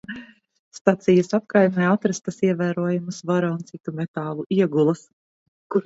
Stacijas apkaimē atrastas ievērojamas vara un citu metālu iegulas.